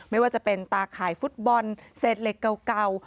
ไม่ว่าจะเป็นตาข่ายฟุตบอลเศษเหล็กเก่า